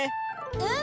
うん！